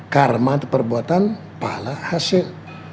karma itu perbuatan pala hasil